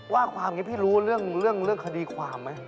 ว่าความอย่างนี้พี่รู้เรื่องคดีความไหม